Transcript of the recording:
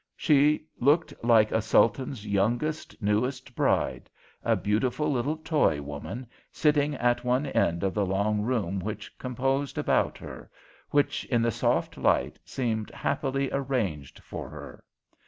She looked like a sultan's youngest, newest bride; a beautiful little toy woman, sitting at one end of the long room which composed about her, which, in the soft light, seemed happily arranged for her.